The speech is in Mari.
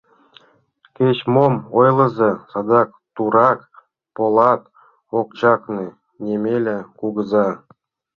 — Кеч-мом ойлыза, садак турак полат! — ок чакне Немеля кугыза.